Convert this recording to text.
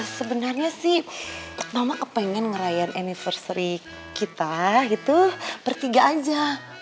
sebenarnya sih mama kepengen ngerayain anniversary kita gitu pertiga aja